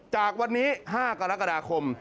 จากวันนี้๕กรกฎาคม